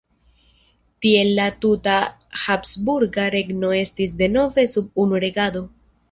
Tiel la tuta habsburga regno estis denove sub unu regado.